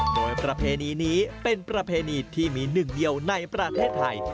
โดยประเพณีนี้เป็นประเพณีที่มีหนึ่งเดียวในประเทศไทย